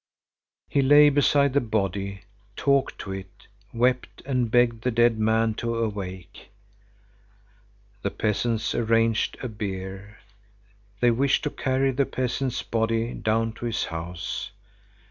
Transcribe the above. He lay beside the body, talked to it, wept and begged the dead man to awake. The peasants arranged a bier. They wished to carry the peasant's body down to his house.